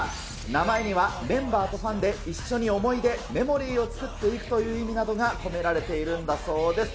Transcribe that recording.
名前にはメンバーとファンで一緒に思い出、メモリーを作っていくなどの意味などが込められているんだそうです。